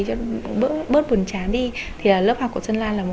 cho bớt buồn chán đi thì là lớp học của xuân lan là rất tốt